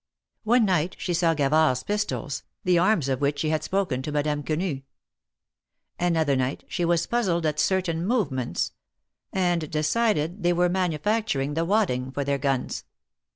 One night she saw Gavard's pistols, the arms of which she had spoken to Madame Quenu. Another night she was puzzled at certain movements — and decided they were manufacturing the wadding for their guns.